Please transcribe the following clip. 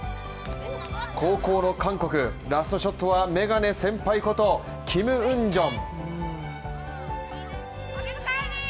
後攻の韓国ラストショットは眼鏡先輩ことキム・ウンジョン。